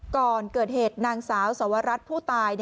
ก่อนเกิดเหตุนางสาวสวรัตน์ผู้ตาย